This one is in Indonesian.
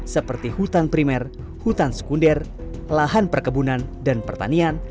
seperti hutan primer hutan sekunder lahan perkebunan dan pertanian